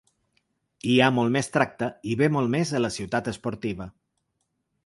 Hi ha molt més tracte i ve molt més a la ciutat esportiva.